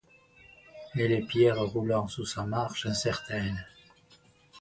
Et les pierres, roulant sous sa marche incertaine